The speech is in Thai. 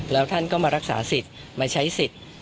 แล้วท่านก็มารักษาสิทธิ์มาใช้สิทธิ์